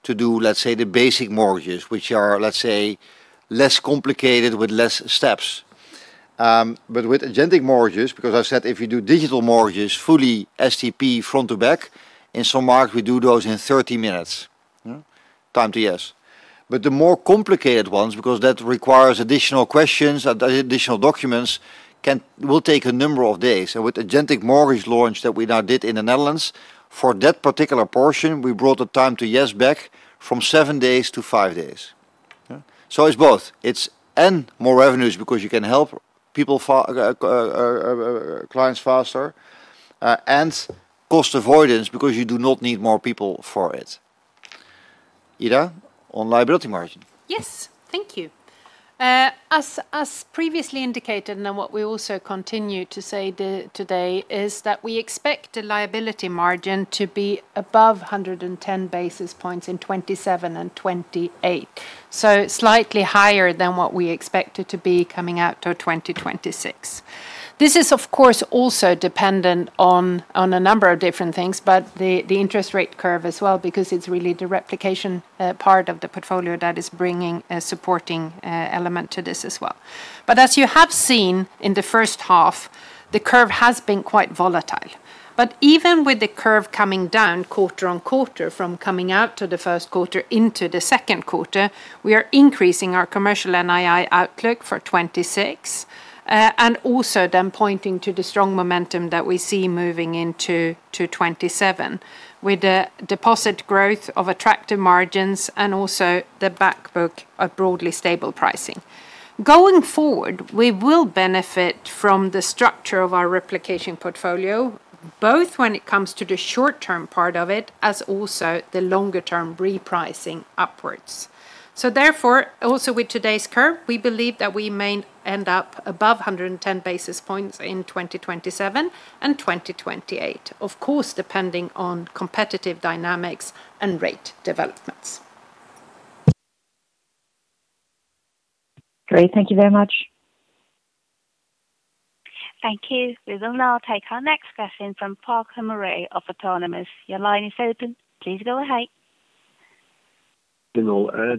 to do, let's say, the basic mortgages, which are, let's say, less complicated with less steps. But with Agentic Mortgages, because I said if you do digital mortgages, fully STP front to back, in some markets, we do those in 30 minutes, time to yes. The more complicated ones, because that requires additional questions, additional documents, will take a number of days. With Agentic Mortgages launch that we now did in the Netherlands, for that particular portion, we brought the time to yes back from seven days to five days. It's both. It's and more revenues because you can help clients faster, and cost avoidance because you do not need more people for it. Ida, on liability margin. Yes. Thank you. As previously indicated, and what we also continue to say today, is that we expect the liability margin to be above 110 basis points in 2027 and 2028. Slightly higher than what we expected to be coming out to 2026. This is, of course, also dependent on a number of different things, the interest rate curve as well, because it's really the replication part of the portfolio that is bringing a supporting element to this as well. As you have seen in the first half, the curve has been quite volatile. Even with the curve coming down quarter-on-quarter from coming out to the Q1 into the Q2, we are increasing our commercial NII outlook for 2026. Also then pointing to the strong momentum that we see moving into 2027 with the deposit growth of attractive margins and also the back book of broadly stable pricing. Going forward, we will benefit from the structure of our replicating portfolio, both when it comes to the short-term part of it, as also the longer-term repricing upwards. Therefore, also with today's curve, we believe that we may end up above 110 basis points in 2027 and 2028, of course, depending on competitive dynamics and rate developments. Great. Thank you very much. Thank you. We will now take our next question from Parker Murray of Autonomous. Your line is open. Please go ahead.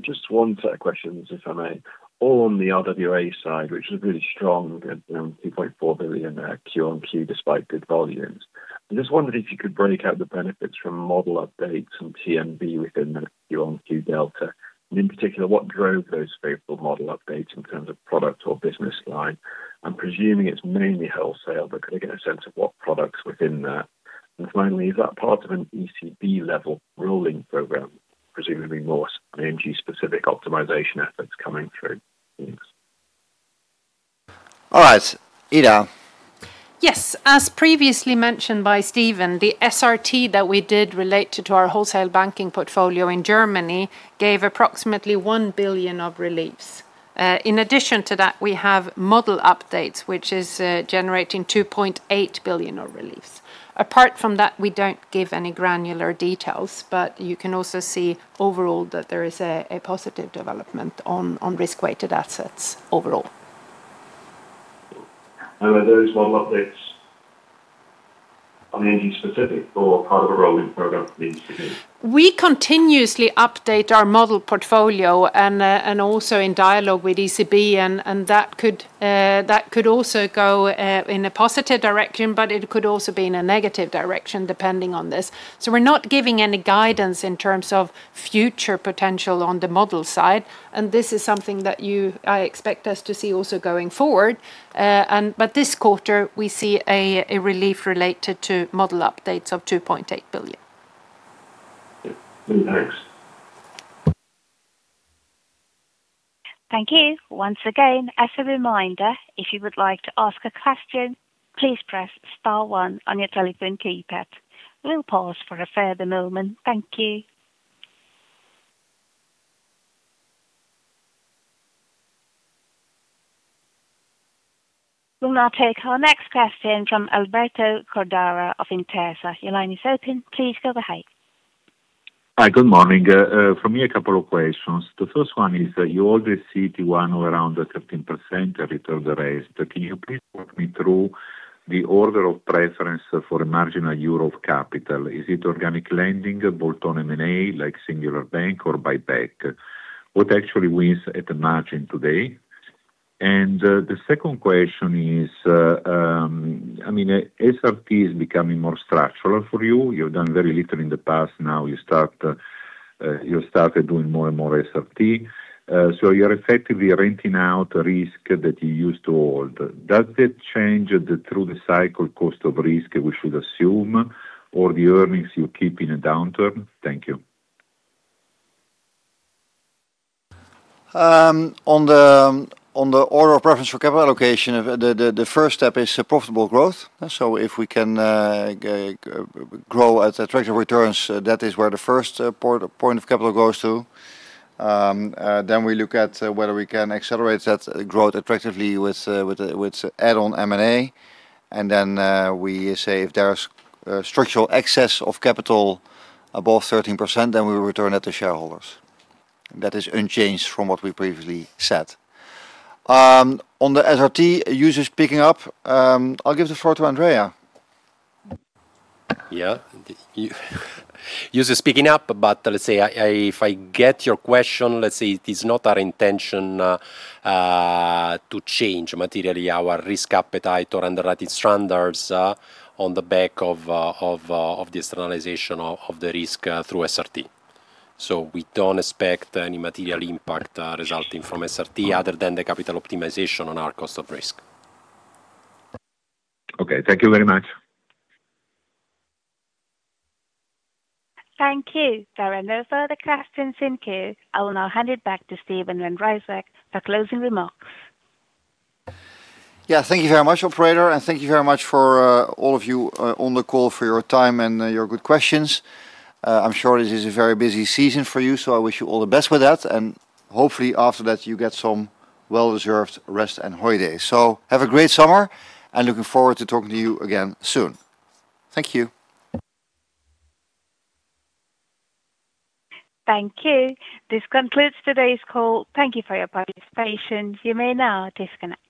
Just one set of questions, if I may. All on the RWA side, which was really strong at 2.4 billion Q on Q, despite good volumes. I just wondered if you could break out the benefits from model updates and TNB within the Q on Q delta, and in particular, what drove those favorable model updates in terms of product or business line. I'm presuming it's mainly wholesale, but can I get a sense of what products within that? Finally, is that part of an ECB-level ruling program? Presumably more ING specific optimization efforts coming through. Thanks. All right. Ida. Yes. As previously mentioned by Steven, the SRT that we did related to our wholesale banking portfolio in Germany gave approximately 1 billion of reliefs. In addition to that, we have model updates, which is generating 2.8 billion of reliefs. Apart from that, we don't give any granular details, but you can also see overall that there is a positive development on risk-weighted assets overall. Are those model updates ING specific or part of a rolling program for the industry? We continuously update our model portfolio and also in dialogue with ECB, and that could also go in a positive direction, but it could also be in a negative direction depending on this. We're not giving any guidance in terms of future potential on the model side, and this is something that you expect us to see also going forward. This quarter, we see a relief related to model updates of 2.8 billion. Thanks. Thank you. Once again, as a reminder, if you would like to ask a question, please press star one on your telephone keypad. We'll pause for a further moment. Thank you. We'll now take our next question from Alberto Cordara of Intesa. Your line is open. Please go ahead. Hi. Good morning. From me, a couple of questions. The first one is you already see T1 around the 13% return raised, but can you please walk me through the order of preference for a marginal EUR of capital? Is it organic lending, bolt-on M&A, like Singular Bank or buyback? What actually wins at the margin today? The second question is, SRT is becoming more structural for you. You've done very little in the past. Now you started doing more and more SRT. You're effectively renting out risk that you used to hold. Does that change through the cycle cost of risk we should assume, or the earnings you keep in a downturn? Thank you. On the order of preference for capital allocation, the first step is profitable growth. If we can grow at attractive returns, that is where the first point of capital goes to. We look at whether we can accelerate that growth attractively with add-on M&A. We say if there is structural excess of capital above 13%, then we return it to shareholders. That is unchanged from what we previously said. On the SRT users picking up, I will give the floor to Andrea. Yeah. Users picking up, let's say if I get your question, let's say it is not our intention to change materially our risk appetite or underwriting standards on the back of the externalization of the risk through SRT. We don't expect any material impact resulting from SRT other than the capital optimization on our cost of risk. Okay. Thank you very much. Thank you. There are no further questions in queue. I will now hand it back to Steven van Rijswijk for closing remarks. Yeah. Thank you very much, operator, and thank you very much for all of you on the call for your time and your good questions. I'm sure this is a very busy season for you, so I wish you all the best with that, and hopefully after that you get some well-deserved rest and holiday. Have a great summer and looking forward to talking to you again soon. Thank you. Thank you. This concludes today's call. Thank you for your participation. You may now disconnect.